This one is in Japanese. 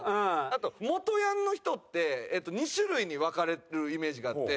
あと元ヤンの人って２種類に分かれるイメージがあって。